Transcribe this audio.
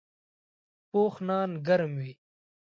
پوخ نان ګرم وي